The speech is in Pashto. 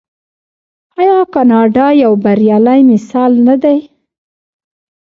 آیا کاناډا یو بریالی مثال نه دی؟